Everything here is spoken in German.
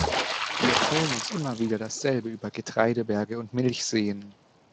Sie erzählen uns immer wieder dasselbe über Getreideberge und Milchseen.